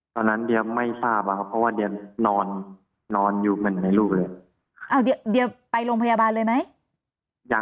ตอนนั้นเดียไม่ทราบอะครับเพราะว่าเดียนอนอยู่เหมือนในลูกเลยไหม